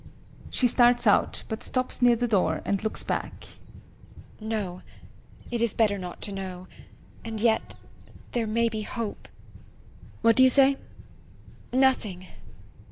[She starts out, but stops near the door and looks back] No, it is better not to know and yet there may be hope. HELENA. What do you say? SONIA. Nothing.